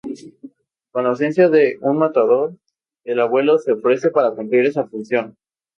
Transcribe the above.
Con la ausencia de un matador, el abuelo se ofrece para cumplir esa función.